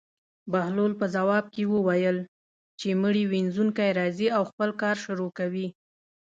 بهلول په ځواب کې وویل: چې مړي وينځونکی راځي او خپل کار شروع کوي.